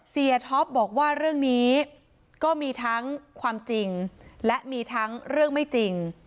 ท็อปบอกว่าเรื่องนี้ก็มีทั้งความจริงและมีทั้งเรื่องไม่จริง